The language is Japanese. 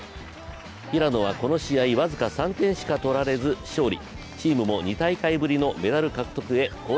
平野はこの試合、僅か３点しか取られず勝利。